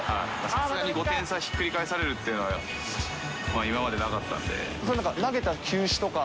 さすがに５点差ひっくり返されるっていうのは、今までなかっ投げた球種とか？